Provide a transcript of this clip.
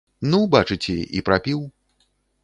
Ну, бачыце, і прапіў.